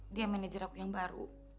dia manajer aku yang baru